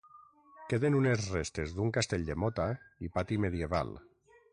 Queden unes restes d'un castell de mota i pati medieval.